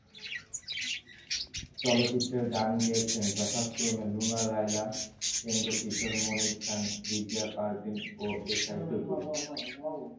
চলচ্চিত্রের গান গেয়েছেন, যথাক্রমে রুনা লায়লা, এন্ড্রু কিশোর, মনির খান, রিজিয়া পারভীন ও এস আই টুটুল।